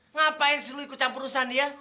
ngapain sih lu ikut campur usan dia